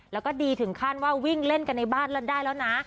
แล้วก็ดีถึงขั้นว่าวิ่งเล่นกันในบ้านแล้วได้แล้วนะ